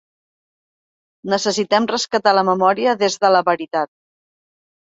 Necessitem rescatar la memòria des de la veritat.